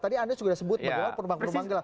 tadi anda sudah sebut pendukung gelap